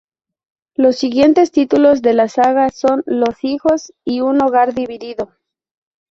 Los siguientes títulos de la saga son: "Los hijos" y "Un hogar dividido".